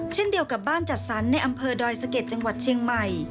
เช่นเดียวกับบ้านจัดสรรในอำเภอดอยสะเก็ดจังหวัดเชียงใหม่